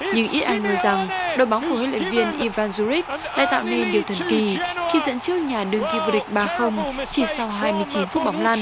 nhưng ít ai ngờ rằng đội bóng của huyện luyện viên ivan djuric lại tạo nên điều thần kỳ khi dẫn trước nhà đưa kiếm vua địch ba chỉ sau hai mươi chín phút bóng lăn